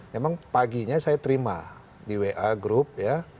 memang paginya saya terima di wa group ya